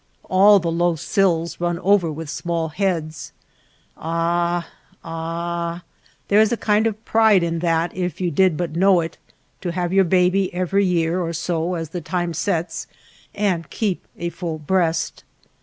All the low sills run over with small heads. Ah, ah ! There is a kind of pride in that if you did but know it, to have your baby every year or so as the time sets, and keep a full breast.